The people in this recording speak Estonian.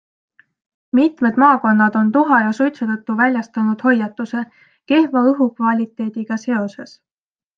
Mitmed maakonnad on tuha ja suitsu tõttu väljastanud hoiatuse kehva õhukvaliteediga seoses.